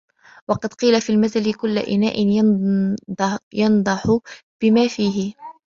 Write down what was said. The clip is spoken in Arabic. وَقَدْ قِيلَ فِي الْمَثَلِ كُلُّ إنَاءٍ يَنْضَحُ بِمَا فِيهِ